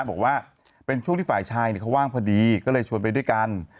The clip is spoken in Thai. บอกว่าเป็นช่วงที่ฝ่ายชายเขาว่างพอดีก็เลยชวนไปด้วยกัน